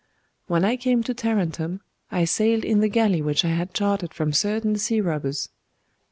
'When I came to Tarentum, I sailed in the galley which I had chartered from certain sea robbers.